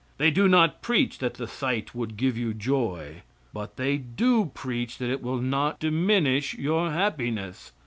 They do not preach that the sight would give you joy; but they do preach that it will not diminish your happiness.